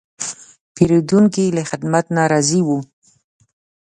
پیرودونکی له خدمت نه راضي و.